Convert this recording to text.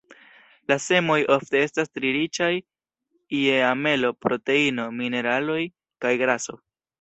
La semoj ofte estas tre riĉaj je amelo, proteino, mineraloj kaj graso.